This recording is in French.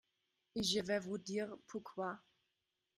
et je vais vous dire pourquoi.